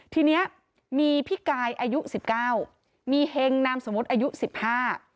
ทีเนี้ยมีพี่กายอายุสิบเก้ามีเฮงนามสมมุติอายุสิบห้า